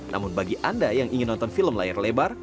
namun bagi anda yang ingin nonton film layar lebar